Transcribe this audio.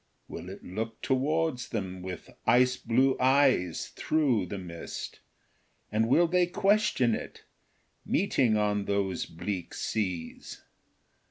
Will it look towards them with ice blue eyes through the mist, and will they question it, meeting on those bleak seas?